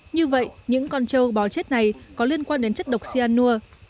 như vậy những con trâu bò chết này có liên quan đến chất độc cyanur